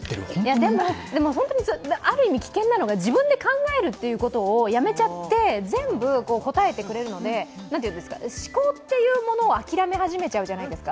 でも、本当にある意味危険なのが、自分で考えるということをやめちゃって、全部答えてくれるので、思考っていうものを諦め始めちゃうじゃないですか。